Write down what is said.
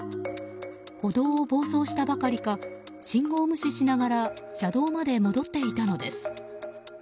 歩道を暴走したばかりか信号無視しながら車道まで戻っていたのです。